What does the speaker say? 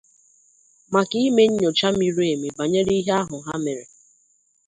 maka ime nnyocha miri èmì banyere ihe ahụ ha mere.